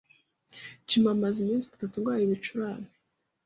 Jim amaze iminsi itatu arwaye ibicurane.